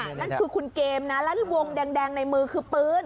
นั่นคือคุณเกมนะแล้ววงแดงในมือคือปืน